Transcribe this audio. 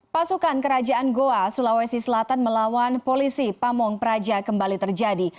pasukan kerajaan goa sulawesi selatan melawan polisi pamong praja kembali terjadi